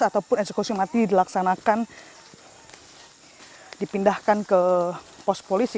ataupun eksekusi mati dilaksanakan dipindahkan ke pos polisi